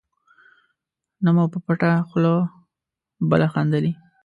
نه مو په پټه خوله بله خندلي.